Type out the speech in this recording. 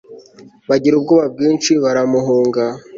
bagira ubwoba bwinshi baramuhunga